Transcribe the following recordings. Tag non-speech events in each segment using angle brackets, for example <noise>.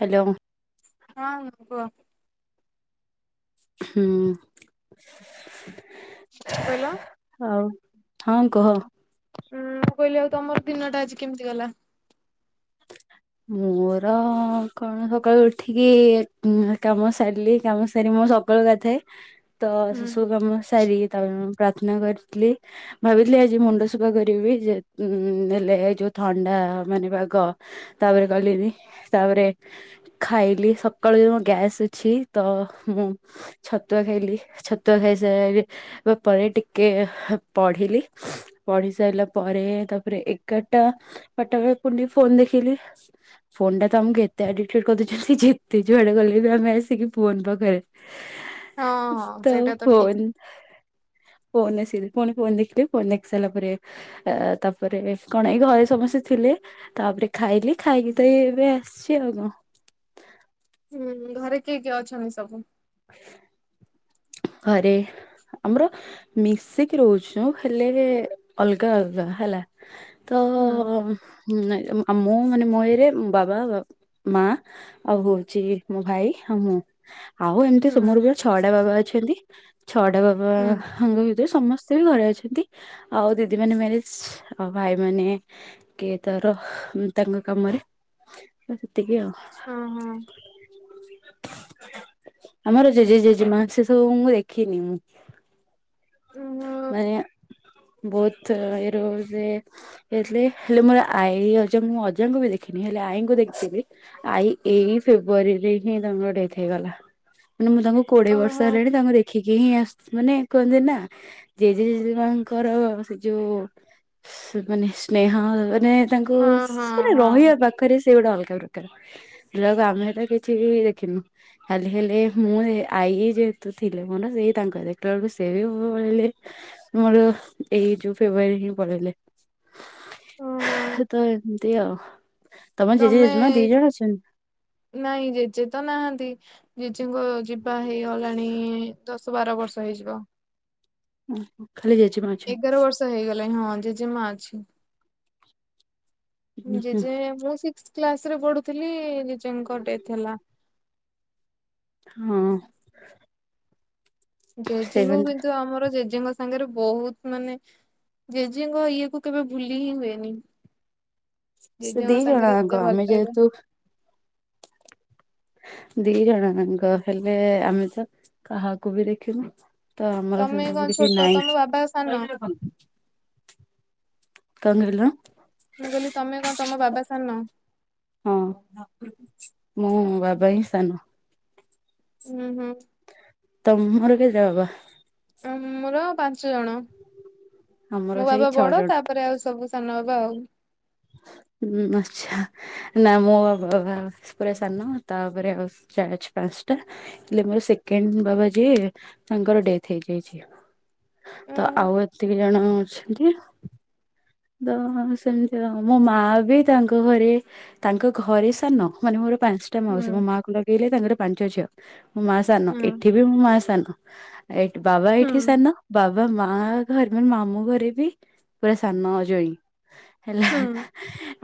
Hello. ହଁ କୁହ। ହୁଁ। କଣ କହିଲ? ଆଉ ହଁ କୁହ। ଉୁଁ ମୁଁ କହିଲି ଆଉ ତମର ଦିନଟା ଆଜି କେମିତି ଗଲା? ମୋର କଣ ସକାଳୁ ଉଠିକି କାମ ସାରିଲି। କାମ ସାରି ମୁଁ ସ ସକାଳୁ ଗାଧାଏ। <inaudible> ତ ସେସବୁ କାମ ସାରିକି ତାପରେ ମୁଁ ପ୍ରାର୍ଥନା କରିଥିଲି। ଭାବିଥିଲି ଆଜି ମୁଣ୍ଡ ସଫା କରିବି। ଯେଁ ହେଲେ ଯୋଉ ଥଣ୍ଡା ମାନେ ପାଗ। ତାପରେ କଲିନି ତାପରେ ଖାଇଲି ସକାଳୁ ମୋର ଗ୍ୟାସ୍ ଅଛି ତ ମୁଁ ଛତୁଆ ଖାଇଲି ଛତୁଆ ଖାଇସାରି ମୁଁ ପରେ ଟିକେ ପଢିଲି। ପଢି ସାରିଲା ପରେ ତାପରେ ଏଗାରଟା ବାରଟାବେଳେ ପୁଣି ଟିକେ ଫୋନ ଦେଖିଲି। ଫୋନ୍ ଟା ତ ଆମକୁ ଏତେ ଆଡିକଟେଡ କରିଦେଇଛି। ଯେତେ ଯୁଆଡେ ଗଲେ ବି ଆମେ ଆସିକି ଫୋନ୍ ପାଖରେ। ହଁ ହଁ ସେଇଟା ତ ଠିକ୍। ଫୋନରେ ସେ ପୁଣି ଫୋନ ଦେଖିଲି। ଫୋନ ଦେଖିସାରିଲା ପରେ ଅ ତାପରେ କଣ ଏଇ ଘରେ ସମସ୍ତେ ଥିଲେ ତାପରେ ଖାଇଲି। ଖାଇକି ତ ଏବେ ଆସିଛି ଆଉ କଣ। ହୁଁ ଘରେ କିଏ କିଏ ଅଛନ୍ତି ସବୁ? <inaudible> ଘରେ ଆମର ମିଶିକି ରହୁଛୁ ହେଲେ ଅଲଗା ଅଲଗା ହେଲା। ତ ହୁଁ ନାଇଁ ମୁଁ ମାନେ ମୋ ଏରେ ବାବା ମା ଆଉ ହଉଛି ମୋ ଭାଇ ଆଉ ମୁଁ। ଆଉ ଏମିତି ହୁଁ ମରବି ଛଅଟା ବାବା ଅଛନ୍ତି। ଛଅଟା ହୁଁ। ବାବାଙ୍କ ଭିତରେ ସମସ୍ତେ ସେ ବି ଘରେ ଅଛନ୍ତି ଆଉ ଦିଦି ମାନେ ମ୍ୟାରଜ ଆଉ ଭାଇ ମାନେ କିଏ ତାର ତାଙ୍କ କାମରେ ସେତିକି ଆଉ। ହଁ ହଁ। ଆମର ଜେଜେ ଜେଜେମା ସେ ସବୁ ମୁଁ ଦେଖିନି? ଓହୋ ମାନେ ବୁଥୁ ଇରୁ ଯେ ଏଲେ ହେଲେ ମୋର ଆଈ ଅଜା ମୁଁ ଅଜାଙ୍କୁ ବି ଦେଖିନି ହେଲେ ଆଈଙ୍କୁ ଦେଖିଥିବି। ଆଇ ଏଇ ଫେବୃୁଆରୀରେ ହିଁ ତାମର ଡେଥ୍ ହେଇଗଲା ମାନେ ମୁଁ ତାଙ୍କୁ କୋଡିଏ ବର୍ଷ ଓହୋ ହେଲାଣି ତାଙ୍କୁ ଦେ ଦେଖିକି ହିଁ ଆସ ମାନେ କୁହନ୍ତି ନା ଜେଜେଜେଜେ ମାନଙ୍କର ସେ ଯୋଉ ମାନେ ସ୍ନେହ ମାନେ ତାଙ୍କୁ ହଁ ହଁ ହଁ। ରହିବା ପାଖରେ ସେ ଗୋଟେ ଅଲଗା ପ୍ରକାର ହେଲା କୁ ଆମେ ହେଟା କେଇ ଟିଭି ବି ଦେଖିନୁ? କାଲି ହେଲେ ମୁଁ ଆଈ ଯେହେତୁ ଥିଲେ ମୋର ସେଇ ତାଙ୍କର ଦେଖିଲା ବେଳକୁ ସେ ବି ପଳେଇଲେ। ମୋର ଏଇ ଯୋଉ ଫେବୃଆରୀରେ ହିଁ ପଳେଇଲେ। ଓହୋ ତ ଏମିତି ଆଉ ତମ ଜେଜେ ତମେ ଜେଜେମା ଦି ଜଣ ଅଛନ୍ତି? ନାଇଁ ଜେଜେ ତ ନାହାନ୍ତି ଜେଜେଙ୍କ ଯିବା ହେଇଗଲାଣି ଦ ଶ ବାର ବର୍ଷ ହେଇଯିବ। ହୁଁ ଖାଲି ଜେଜେମା ଏଗାର ଅଛନ୍ତି? ବର୍ଷ ହେଇଗଲାଣି ହଁ ଜେଜେମା ଅଛି ଜେଜେ ମୁଁ ସି କ୍ଲାସେ ରେ ପଢ଼ୁଥିଲି ଜେଜେଙ୍କର ଡେଥ୍ ହେଲା। ହଁ। ଜେଜେଙ୍କୁ ସେଭେନ୍ କିନ୍ତୁ ଆମର ଜେଜେଙ୍କ ତାଙ୍କର ବହୁତ ମାନେ ଜେଜେଙ୍କ ଇଏ କୁ କେବେ ଭୁଲି ହି ହୁଏନି। ସେ ଦି ଜେଜେଙ୍କ ଜଣ ସାଙ୍ଗରେ ଆଙ୍କ ଏତେ ଆମେ ଭଲ ପାଇବା। ଯେହେତୁ ଦି ଜଣ ୟାଙ୍କ ହେଲେ ଆମେ ତ କାହାକୁ ବି ଦେଖିନୁ। ତ ଆମର ସେ ତମେ ସବୁ କଣ କିଛି ଛୋଟ ତମ ବାବା ସାନ ନାଇଁ। କଣ କହିଲ। ମୁଁ କହଲି ତମେ କଣ ତମ ବାବା ସାନ? ହଁ ମୋ ବାବା ହିଁ ସାନ। ହୁଁ ହୁଁ। ତମର କୋତଟା ବାବା? ଆମର ପାଞ୍ଚ ଜଣ ଆମର ମୋ ସେଇ ବାବା ଛଅ ବଡ ଜଣ। ତାପରେ ଆଉ ସବୁ। ସନ ବାବା ଆଉ ଆଚ୍ଛା ନା ମୋ ବାବା ପୁରା ସାନ ତାପରେ ଆଉ ଚାରି ପାଞ୍ଚଟା ହେଲେ ମୋର ସେକେଣ୍ଡ ବାବା ଯିଏ ତାଙ୍କର ଡେଥ୍ ହେଇଯାଇଛି। ତ ଆଉ ଉଁ ଏତିକି ଜଣ ଅଛନ୍ତି। ତ ସେମିତି ମୋ ମା ବି ତାଙ୍କ ଘରେ? ତାଙ୍କ ଘରେ ସାନ ମାନେ ମୋର ପାଞ୍ଚ ହୁଁ ତମାଉସୀ ମୋ ମା କୁ ଲଗେଇଲେ ତାଙ୍କର ପାଞ୍ଚ ଝିଅ ମୋ ମା ସାନ ହୁଁ ଏଠି ବି ମୋ ମା ସାନ। ଏଇଠି ବାବା ହୁଁ ଏଇଠି ସାନ ବାବା ମା ଘରେ ମାନେ ମାମୁଁ ଘରେ ବି ପୁରା ସାନ ଅ ଜୋଇଁ ହେଲା ହୁଁ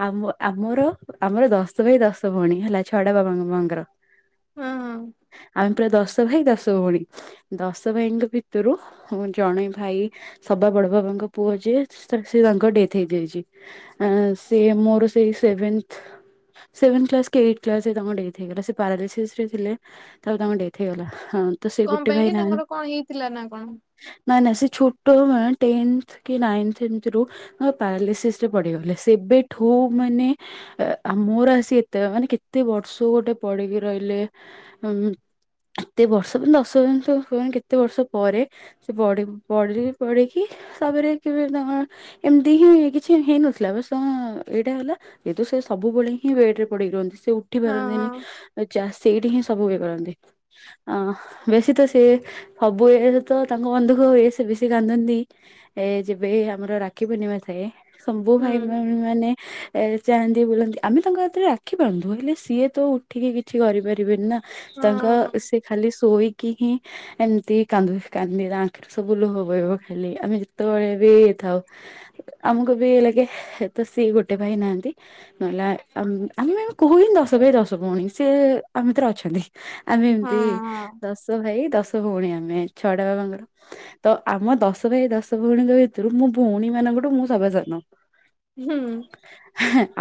ଆମ ଆମର ଆମର ଦଶ ଭାଇ ଦଶ ଭଉଣୀ ହେଲା ଛଅ ଟା ବାବା ମାମା ଙ୍କର। ହଁ। ଆମେ ପୁରା ଦଶ ଭାଇ ଦଶ ଭଉଣୀ ଦଶ ଭାଇଙ୍କ ଭିତରୁ ଜଣେ ଭାଇ ସବା ବଡ ବାବାଙ୍କ ପୁଅ ଯିଏ ସେ ସେ ତା ଙ୍କ ଡେଥ୍ ହେଇଯାଇଚି ଅଁ ସେ ମୋର ସେଇ ସେଭନ୍ଥ୍। ସେଭେନ୍ଥ କ୍ଲାସ୍ କି ଏଇଟ୍ କ୍ଲାସ୍ ରେ ତାଙ୍କର ଡେଥ୍ ହେଇଗଲା ସେ ପାରାଲିସିସ୍ ରେ ଥିଲେ। ତାପରେ ତାଙ୍କ ଡେଥ୍ ହୋଇଗଲା ହଁ। ତ ସେ କଣ ପାଇଁ କି ତାଙ୍କର କଣ ହେଇଥିଲା ନା କଣ? ନାଇଁ ନାଇଁ ସେ ଛୋଟରୁ ନୁହେଁ ଟେନ୍ଥ କି ନାଇନ୍ଥ ଏମତି ରୁ। ପାରାଲିସିସ୍ ରେ ପଡିଗଲେ ସେବେଠୁ ମାନେ। ଏ ଆ ମୋର ଆସି ଏତେ ମାନେ କେତେ ବର୍ଷ ଗୋଟେ ପଡିକି ରହିଲେ ଉଁ। ଏତେ ବର୍ଷ ମାନେ ଦଶ <unintelligible> କେତେ ବର୍ଷ ପରେ। ସେ ପଡି ପଡିକି ପଡିକି ତାପରେ କେବେ ତାଙ୍କର। ଏମତି ହିଁ କିଛି ହେଇନଥିଲା ବା ସଂ ଏଇଟା ହେଲା। ଏଇତ ସେ ସବୁବେଳେ ହିଁ ବେଡ୍ ରେ ପଡିକି ରୁହନ୍ତି ସେ ଉଠି ହଁ ହଁ ପାରନ୍ତିନି ଏ ଚା ସେଇଠି ହିଁ। ସବୁ ବି କରନ୍ତି ଅଁ ବେଶୀ ତ ସେ। ସବୁ ଇଏ ରେ ତ ତାଙ୍କ ମନ୍ ଦୁଃଖ ହୁଏ ସେ ବେଶୀ କାନ୍ଦନ୍ତି ଏ ଯେବେ ଆମର ରା କ୍ଷୀପୂର୍ଣ୍ଣିମା ଥାଏ ସବୁଁ ହୁଁ ଭାଇଉଣୀ ମାନେ। ଏ ଚାହାନ୍ତି ବୁଲନ୍ତି ଆମେ ତାଙ୍କ ହାତରେ ରାଖି ବାନ୍ଧୁ ହେଲେ ସିଏ ତ ଉଠିକି କିଛି କରିପାରିବେନି ନା। ହଁ ତାଙ୍କ ହଁ ସେ ଖାଲି ଶୋଇକି ହିଁ ଏମତି। କାନ୍ଦୁବେ କାନ୍ଦିବେ ତାଙ୍କ ଆଖିରୁ ସବୁ ଲୁହ ବୋହିବ ଖାଲି ଆମେ ଯେତେବଳେ ବି ଥାଉ। ଆମୁକୁ ବି ଇଏ ଲାଗେ ସେତ ସିଏ ଗୋଟେ ଭାଇ ନାହାନ୍ତି। ନହେଲା ଆମ୍ ଆମେ ବି ଆମେ କହୁ ହିଁ ଦଶ ଭାଇ ଦଶ ଭଉଣୀ ସେ ଆମ ଭିତରେ ଅଛନ୍ତି। ଆମେ ହଁ ଏମତି ହଁ ଦଶ ଭାଇ ଦଶ ଛ ଭଉଣୀ ଆମେ ଛଟା ବାବାଙ୍କର ତ ଆମ ଦଶ ଭାଇ ଦଶ ଭଉଣୀଙ୍କ ଭିତୁରୁ ମୁଁ। ଭଉଣୀ ମାନଙ୍କଠୁ ମୁଁ ସଭା ସାନ। ହୁଁ।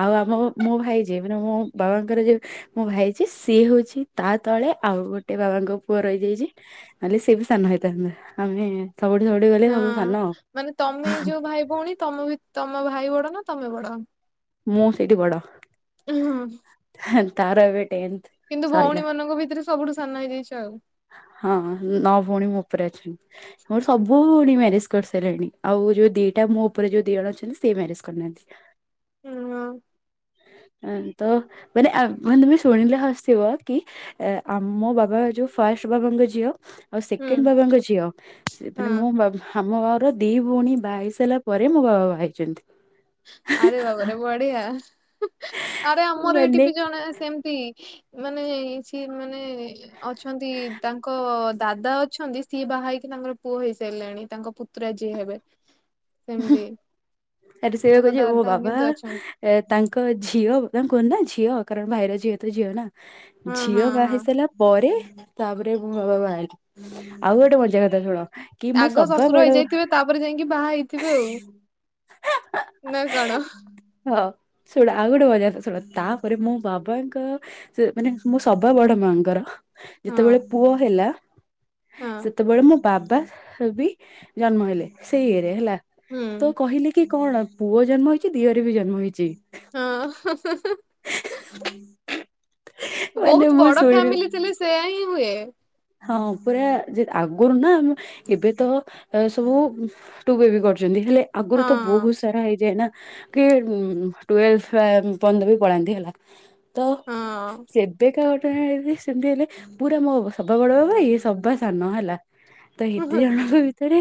ଆଉ ଆମ ମୋ ଭାଇ ଯେ ମାନେ ମୋ ବାବାଙ୍କର ଯିଏ। ମୋ ଭାଇ ଯିଏ ସିଏ ହଉଛି ତା ତଳେ ଆଉ ଗୋଟେ ବାବାଙ୍କ ପୁଅ ରହିଯାଇଚି। ନହେଲେ ସିଏ ବି ସାନ ହେଇଥାନ୍ତା ଆମେ ସବୁଠି ସବୁଠି ଗଲେ ସବୁ ହଁ ସାନ। ମାନେ ତମେ ଯୋଉ ଭାଇ ଭଉଣୀ ତମ ଭି ତମ ଭାଇ ବଡ ନା ତମେ ବଡ? ମୁଁ ସେଇଠି ବଡ। ଏ ହଁ। ହାଁ ତାର ଏବେ ଟେନ୍ଥ। କିନ୍ତୁ ସଇଲା ଭଉଣୀ ମାନଙ୍କ ଭିତରେ ସବୁଠୁ ସାନ ହେଇଯାଇଛ ଆଉ। ହଁ ନଅ ଭଉଣୀ ମୋ ଉପରେ ଅଛନ୍ତି ମୋର ସବୁ ଭଉଣୀ ମ୍ୟାରେଜ୍ କରସାରିଲେଣି। ଆଉ ଯୋଉ ଦିଟା ମୋ ଉପରେ ଯୋଉ ଦିଇ ଜଣ ଅଛନ୍ତି ସେଇ ମ୍ୟାରେଜ୍ କରିନାହାନ୍ତି। ଉଁ ହଁ। ଆଁ ତ ମାନେ ଆ ମାନେ ତମେ ଶୁଣିଲେ ହସିବ କି। ଏ ଆମ ବାବା ଯୋଉ ଫାଷ୍ଟ୍ ବାବାଙ୍କ ଝିଅ। ଆଉ ହୁଁ ସେକେଣ୍ଡ୍ ବାବାଙ୍କ ଝିଅ ସେ ମାନେ ହଁ ମୋ ବାବା। ଆମ ଘରୁ ଦି ଭଉଣୀ ବାହା ହେଇ ସାଇଲା ପରେ ମୋ ବାବା ବାହା ହେଇଚନ୍ତି। ଆରେ ବାବା ରେ ବଢିଆ ଆରେ ଆମର ଏଠି ମାନେ ବି ଜଣେ ସେମ୍ ତି ମାନେ ସିଏ ମାନେ ଅଛନ୍ତି ତାଙ୍କ ଦାଦା ଅଛନ୍ତି ସିଏ ବାହା ହେଇକି ତାଙ୍କ ପୁଅ ହେଇସାଇଲାଣି ତାଙ୍କ ପୁ ତୁରା ଯିଏ ହେବେ ସେମତି। ଏଠି ସେଇ ବା କହୁଚି ମୋ ବାବା। ଅଛନ୍ତି। ଏ ତାଙ୍କ ଝିଅ ତାଙ୍କୁ କୁହନ୍ତି ନା ଝିଅ କାରଣ ଭାଇର ଝିଅ ତ ଝିଅ ନା। ହଁ ହଁ ଝିଅ ବାହା ହଁ ହେଇ ସାଇଲା ପରେ ତାପରେ ମୁଁ ବାବା ବାହାରିଲି, ଆଉ ଗୋଟେ ମଜା କଥା ଶୁଣ କି ମୋ ଆଗ ସବା ଶଶୁର ବଡ ହେଇଯାଇଥିବେ, ତାପରେ ଯାଇକି ବାହା ହେଇଥିବେ ଆଉ। ନା କଣ? ହଁ ଶୁଣ ଆଉ ଗୋଟେ ମଜା କଥା ଶୁଣ ତା ପରେ ମୋ ବାବାଙ୍କର ସେ ମାନେ ମୁଁ ସବା ବଡ଼ ମାଆଙ୍କର ହଁ ଯେତେବେଳେ ପୁଅ ହେଲା, ହଁ। ସେତେବେଳେ ମୁଁ ବାବା ବି ଜନ୍ମ ହେଲେ ସେଇ ଇଏରେ ହେଲା। ହୁଁ କହିଲି କି କଣ ପୁଅ ଜନ୍ମ ହେଇଛି ଦିଅର ବି ଜନ୍ମ ହେଇଛି। ହଁ ମାନେ ବହୁତ ମୁଁ ବଡ ଶୁଣିଲି ଫ୍ୟାମିଲି ଥିଲେ ସେୟା ହିଁ ହୁଏ। ହଁ ପୁରା ଆଗରୁ ନା ଆମ ଏବେ ତ ଏ ସବୁ ତୁ ବେବି କରିଛନ୍ତି, ହେଲେ ହଁ ଆଗରୁ ତ ବହୁତ ସାରା ହେଇଯାଏ ନା କେ ଟୁଏଲ୍ସ ପନ୍ଦରକୁ ପଳାନ୍ତି ହେଲା। ତ ହଁ ଏବେ କାହା ଗଟେ ସେମିତି ହେଲେ ପୁରା ମୋ ସଭା ବଡ଼ ଭାଇ ଇଏ ସବା ସାନ ହେଲା। ତ ଏତେ ହୁଁ ଜାଣିବ ଭିତରେ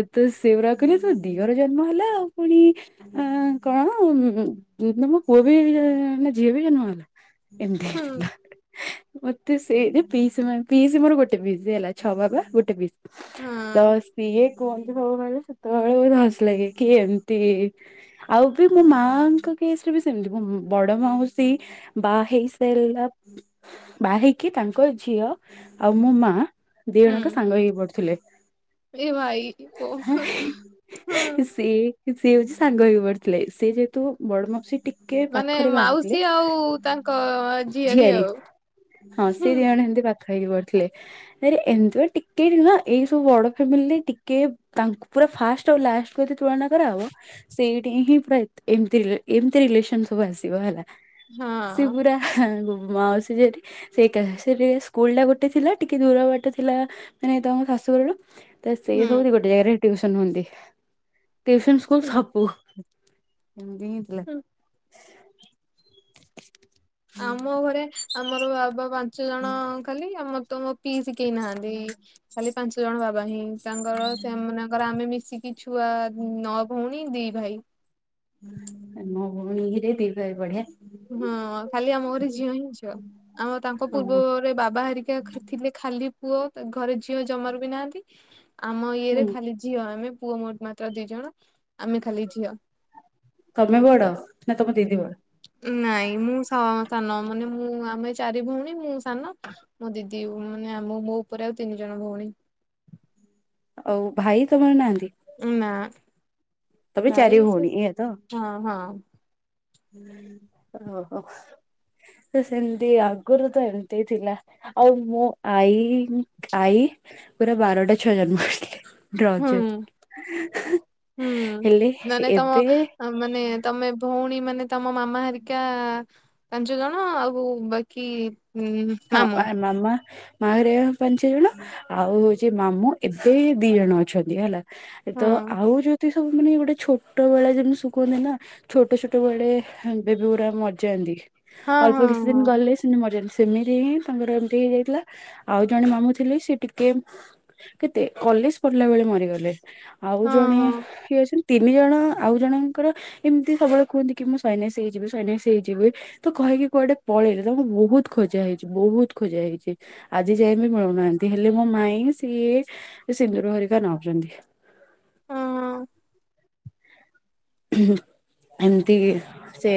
ଏ ତ ସେଗୁରା କହିଲେ ତୋ ଦିଅର ଜନ୍ମ ହେଲା ଆଉ ପୁଣି ଆ କଣ ତମ ପୁଅ ବି ନା ଝିଅ ବି ଜନ୍ମ ହେଲା। ହୁଁ ଏଥିଲା ମତେ ସେଇରେ ପିସା ମ୍ୟାମ୍ ପିଇସୀ ମୋର ଗୋଟେ ପିଇସୀ ହେଲା, ଛଅ ବାବା ଗୋଟେ ପିଇସୀ ତ ହଁ ସିଏ କୁହନ୍ତୁ ସବୁବେଳେ <unintelligible> ହସ ଲାଗେ କି ଏମତି ଆଉ ବି ମୋ ମାଙ୍କ କେସରେ ବି ସେମିତି ବଡ଼ ମାଉସୀ ବା ହେଇ ସାରିଲା ବା ହେଇକି ତାଙ୍କ ଝିଅ ଆଉ ମୋ ମା ଦି ଜଣଙ୍କ ହୁଁ ସାଙ୍ଗ ହେଇକି ପଡୁଥିଲେ। ଏ ଭାଇ ହଁ ସିଏ ସିଏ ହଉଛି ସାଙ୍ଗ ହେଇ ପଡିଥିଲେ, ସିଏ ଯେହେତୁ ବଡ଼ ମାଉସୀ ଟି କିଏ ମାନେ ପାଖରେ ବାହାରିଥିଲେ ମାଉସୀ ଆଉ ତାଙ୍କ ଝିଆରୀ ହଁ ସି ହୁଁ। ଦି ଜଣେ ଏମିତି କଥା ହେଇକି ପଡ଼ିଥିଲେ। ଆରେ ଏମିତି ବା ଟିକେ ନା ଏଇ ସବୁ ବଡ ଫ୍ୟାମିଲି ଟିକେ ତାଙ୍କୁ ପୁରା ଫାଷ୍ଟ ଆଉ ଲାଷ୍ଟକୁୁ ଯଦି ତୁଳନା କରାହବ ସେଇଠି ହିଁ ପୁରା ଏମତି ଏମିତି ରିଲେସନ ସବୁ ଆସିବ ହେଲା। ହଁ ସିବୁରା ଗୋ ମାସଜରେ ସେ କା ସେ ସ୍କୁଲ ଟା ଗୋଟେ ଥିଲା ଟିକେ ଦୂର ବାଟ ଥିଲା ମାନେ ତମ ଶାଶୁଘରରୁ ତ ହୁଁ ସେଇଭଳି ଗୋ ଜାଗାରେ ଟ୍ୟୁସନ ହୁଅନ୍ତି। ଟ୍ୟୁସନ ସ୍କୁଲ ହୁଁ ସବୁ ଦି ହୁଁ ଆମ ଘରେ ଆମର ବାବା ପାଞ୍ଚ ଜଣ ଖାଲି ଆମର ତ ମୋ ପିଇସୀ କେହି ନାହାଁନ୍ତି, ଖାଲି ପାଞ୍ଚ ଜଣ ବାବା ହିଁ ତାଙ୍କର ସେ ଆମ ମାନଙ୍କର ଆମେ ମିଶିକି କି ଛୁଆ ନଅ ଭଉଣୀ ଦି ଭାଇ ମୋ ଭଉଣୀ ହରେ ଦି <unintelligible> ବଢ଼ିଆ। ହଁ ଖାଲି ଆମ ଘରେ ଝିଅ ହିଁ ଝିଅ ଆମ ତାଙ୍କ ହଁ ପୂର୍ବରେ ବାବା ହେରିକା ଥିଲେ ଖାଲି ପୁଅ ଘରେ ଝିଅ ଜମାରୁ ବି ନାହାନ୍ତି। ଆମ ହୁଁ। ଇଏରେ ଖାଲି ଝିଅ ଆମେ ପୁଅ ମୋ ମାତ୍ର ଦି ଜଣ ଆମେ ଖାଲି ଝିଅ ତମେ ବଡ଼ ନା ତମେ ତିନି ଭା ନାଇଁ ମୁଁ ସମ ସାନ ମାନେ ମୁଁ ଆମେ ଚାରି ଭଉଣୀ ମୁଁ ସାନ ମୋ ଦିଦି ମାନେ ଆମ ମୋ ଉପରେ ଆଉ ତିନି ଜଣ ଭଉଣୀ ଆଉ ଭାଇ ତମର ନାହାନ୍ତି? ନା ତମେ ଚାରି ଭଉଣୀ ଭାଇସେ ଏଇଆ ତ ହଁ ହଁ। ଓହୋ ସେମିତି ଆଗରୁ ତ ଏମିତି ଥିଲା। ଆଉ ମୋ ଆଈ ଆଈ ପୁରା ବାରଟା ଛୁଆ ଜନ୍ମ କରିଥିଲେ। ହୁଁ ରଜ ହେଲେ ଏବେ। ଆ ମାନେ ତମେ ଭଉଣୀ ମାନେ ତମ ମାମା ହେରିକା ପାଞ୍ଚ ଜଣ ଆଉ ବାକି ଉ ହଁ ଆ ମାମୁଁ। ମାମା। ମା ଘରିଆ ପାଞ୍ଚ ଜଣ, ଆଉ ହଉଛି ମାମୁଁ ଏବେ ଦି ଜଣ ଅଛନ୍ତି ହେଲା। ଏ ହଁ ତ ଆଉ ଯେତିକି ସବୁ ମାନେ ଗୋଟେ ଛୋଟ ବେଳା ଯେମତି ସୁ କୁହନ୍ତିନି ନା। ଛୋଟ ଛୋଟ ବେଳେ ବେବି ଗୁରା ମରିଯାନ୍ତି, ହଁ ଅଳ୍ପ ହଁ କିଛି ହଁ ଦିନ ଗଲେ ସେମାନେ ମରିଯାନ୍ତି। ସେମିତି ହିଁ ତାଙ୍କର ଏମତି ହେଇଯାଇଥିଲା, ଆଉ ଜଣେ ମାମୁଁ ଥିଲେ ସିଏ ଟିକେ କେତେ କଲେଜ ପଢିଲା ବେଳେ ମରିଗଲେ, ଆଉ ହଁ ଜଣେ ହଁ ଇଏ ଅଛନ୍ତି। ତିନି ଜଣ ଆଉ ଜଣଙ୍କର ଏମିତି ସବୁବେଳେ କୁହନ୍ତି କି, ମୁଁ ସୈନ୍ୟାସି ହେଇଯିବି ସୈନ୍ୟାସି ହେଇଯିବି। ସେ ତ କହିକି କୁଆଡେ ପଳେଇଲେ ତାଙ୍କୁ ବହୁତ ଖୋଜା ହେଇଛି ବହୁତ ଖୋଜା ହେଇଛି, ଆଜି ଯାଏ ବି ମିଳୁନାହାନ୍ତି ହେଲେ ମୋ ମାଇଁ ସିଏ ସେ ସିନ୍ଦୁର ହରିକା ନାଉଚନ୍ତି। ହଁ। ଏମିତି ସିଏ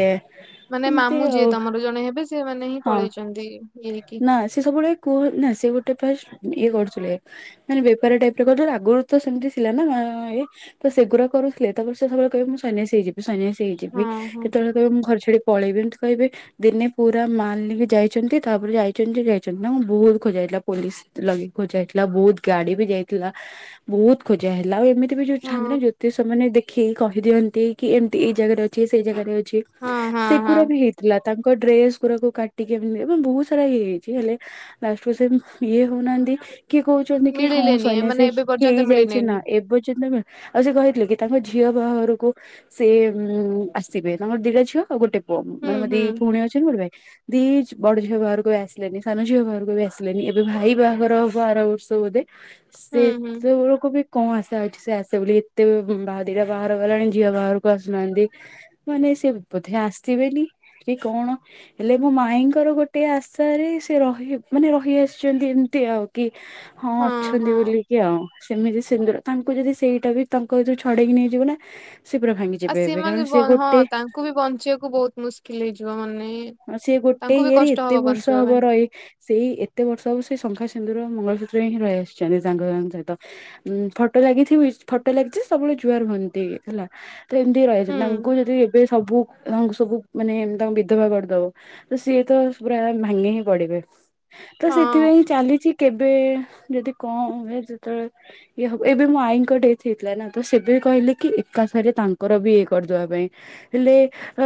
ମାନେ ମାମୁଁ ଯିଏ ତମର ଜଣେ ହେବେ ସେ ମାନେ ହିଁ ପଳେଇଛନ୍ତି ଇଏ ହେଇକି। ନାଁ ସେ ସବୁବେଳେ କୁହନା ସେ ଗୋଟେ ପ୍ରାୟ ଇଏ କରୁଥିଲେ। ମାନେ ବେପାର ଟାଇପ ର କରିଥିଲୁ ଆଗରୁ ତ ସେମିତି ସ ଥିଲାନା ଇଏ। ତ ସେଗୁଡ଼ା କରୁଥିଲେ ତାପ ସେତେବେଳେ କହିବେ ମୁଁ ସନ୍ନ୍ୟାସି ହେଇଯିବି ସନ୍ୟାସି ହେଇଯିବି। ହଁ ଯିବି ହଁ କେତେବେଳେ କହିବେ ମୁଁ ଘର ଛାଡି ପଳେଇବି ଏମିତି କହିବେ ଦିନେ ପୁ ପୂରା ମାଲ୍ ନେଇକି ଯାଇଛନ୍ତି ତାପରେ ଯାଇଛନ୍ତି ଯେ ଯାଇଛନ୍ତି। ତାଙ୍କୁ ବହୁତ ଖୋଜା ହେଇଥିଲା ପୋଲିସ ଲଗେଇ ଖୋଜା ହେଇଥିଲା, ବହୁତ ଗାଡି ବି ଯାଇଥିଲା ବହୁତ ଖୋଜା ହେଲା ଏମିତି ତେବେ ଯୋଉ ହଁ ଥାଆନ୍ତି ନା ଜ୍ୟୋତିଷ ମାନେ ଦେଖିକି କହିଦିଅନ୍ତି କି ଏମିତି ଏଇ ଜାଗାରେ ଅଛି ସେଇ ଜାଗାରେ ଅଛି। ହଁ ହଁ ହଁ ସେଗୁରା ବି ହେଇଥିଲା ତାଙ୍କ ଡ୍ରେସ କୁକୁରକୁ କାଟିକି ବହୁତ ସାରା ଇଏ ହେଇଛି ହେଲେ ଲାଷ୍ଟକୁ ସେ ଇଏ ହଉନାହାନ୍ତି। କିଏ କହୁଛନ୍ତି କି ହଁ ମିଳିଲେନି ସୈନ୍ୟାସୀ ମାନେ ଏବେ ପର୍ଯ୍ୟନ୍ତ ହେଇଯାଇଛି ନା ମିଳିଲେନି ଏବେ ଯେତେବେଳେ ଆଉ ସେ କହିଥିଲେ କି ତାଙ୍କ ଝିଅ ବାହାଘରକୁ ସେ ଆସିବେ ତାଙ୍କର ଦିଟା ଝିଅ ଆଉ ଗୋଟେ ପୁଅ ହୁଁ ମାନେ ମୋ ଦି ହୁଁ ପୁଣି ଅଛନ୍ତି ଗୋଟେ ଭାଇ। ଦି ଝୀ ବଡ ଝିଅ ବାହାରକୁ ବି ଆସିଲେନି ସାନ ଝିଅ ବାହାରକୁ ବି ଆସିଲେନି, ଏବେ ଭାଇ ବାହାଘର ହବ ଆର ବ ର୍ଷକୁ ବୋଧେ ହୁଁ ହୁଁ ସେତେବେଳ କୁ ବି କଣ ଆସା ଅଛି ସେ ଆସେ ବୋଲି, ଏତେ ବାହାଘର ଦିଟା ବାହାଘର ଗଲାଣି ଝିଅ ବାହାରକୁ ଆସୁନାହାନ୍ତି। ମାନେ ସେ ବୋଧେ ଆସିବେନି କି କଣ? ହେଲେ ମୋ ମାଇଙ୍କର ଗୋଟେ ଆଶାରେ, ସେ ରହି ମାନେ ରହିଆସିଛନ୍ତି ଏମିତି ଆଉ କି? ହଁ ଅଛନ୍ତି ବୋଲି। କି ଆଉ, ସେମିତି ସିନ୍ଦୁର ତାଙ୍କୁ ଯଦି ସେଇଟା ବି ତାଙ୍କ ଯଉ ଛଡେଇକି ନେଇଯିବ ନା ସେ ପୁରା ଭାଙ୍ଗିି ଆଉ ସିଏ ମାନେ ବି ହଁ ତାଙ୍କୁ ବି ବଞ୍ଚିବାକୁ ବହୁତ ମୁସ୍କିଲ ହେଇଯିବ ମାନେ ହ ସିଏ ଗୋଟେ ତାଙ୍କୁ ବି ଇଏରେ କଷ୍ଟ ଏତେ ହବ ବର୍ଷ ବଞ୍ଚିବା ହବ ପାଇଁ ରହି ସେଇ ଏତେ ବର୍ଷ ହବ ସେଇ ଶଙ୍ଖା ସିନ୍ଦୁର ମଙ୍ଗଳସୂତ୍ରରେ ହିଁ ରହିଆସିଛନ୍ତି ତାଙ୍କ ମାନଙ୍କ ସହିତ। ଉ ଫଟୋ ଲାଗିଥିବ ଫଟୋ ଲାଗିଛି ସବୁବେଳେ ଜୁଆର ହୁଅନ୍ତି ହେଲା। ତେ ଏମିତି ରହିଆଇଚନ୍ତି, ହୁଁ ତାଙ୍କୁ ଯଦି ଏବେ ସବୁ ତାଙ୍କୁ ସବୁ ମାନେ ତାଙ୍କୁ ବିଧବା କରି ବ ତ ସିଏ ତ ପୁରା ଭାଙ୍ଗି ହିଁ ପଡିବେ ତ ହଁ ସେଥିପାଇଁ ଚାଲିଛି। କେବେ ଯଦି କଣ ହୁଏ ଯେତେବେଳେ ଇଏ ହବ ଏବେ ମୋ ଆଈଙ୍କ ଡେଥ ହେଇଥିଲା ନା ତ ସେବେ କହିଲେ କି ଏକାଥରେ ତାଙ୍କର ବି ଇଏ କରିଦେବା ପାଇଁ। ହେଲେ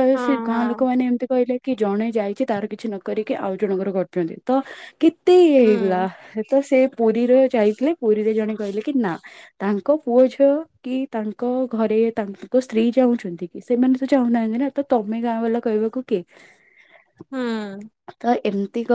ଏଁ ହଁ ସେ ଗାଁ ହଁ ଲୋକମାନେ ଏମିତି କହିଲେ କି ଜଣେ ଯାଇଛି ତାର କିଛି ନ କରିକି ଆଉ ଜଣଙ୍କର କରୁଛନ୍ତି। ତ କି କେତେ ଇଏ ହେଲା ହୁଁ ତ ସେ ପୁରୀରେ ଯାଇଥିଲେ ପୁରୀରେ ଜଣେ କହିଲେ କି ନାଁ ତାଙ୍କ ପୁଅ ଝିଅ କି ତାଙ୍କ ଘରେ ତାଙ୍କ ସ୍ତ୍ରୀ ଚାହୁଁଛନ୍ତି। ସେମାନେ ତ ଚାହୁଁନାହାନ୍ତି ନାଁ ତମେ ଗାଁ ବାଲା କହିବାକୁ କିଏ? ହୁଁ ତ ଏମିତି କ